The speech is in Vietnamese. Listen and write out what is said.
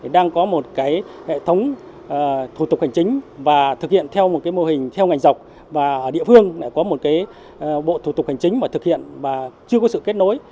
đang có một hệ thống thủ tục hành trình và thực hiện theo một mô hình ngành dọc và địa phương có một bộ thủ tục hành trình mà thực hiện mà chưa có sự kết nối